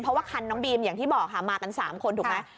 เพราะว่าคันน้องบีมอย่างที่บอกค่ะมากัน๓คนถูกไหม